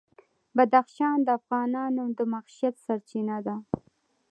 بدخشان د افغانانو د معیشت سرچینه ده.